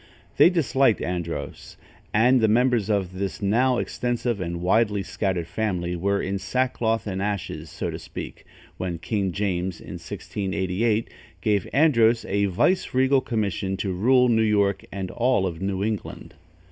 They disliked Andros, and the members of this now extensive and widely scattered family were in sackcloth and ashes, so to speak, when King James, in 1688, gave Andros a vice regal commission to rule New York and all New England.